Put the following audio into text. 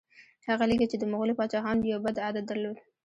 هغه لیکي چې د مغولو پاچاهانو یو بد عادت درلود.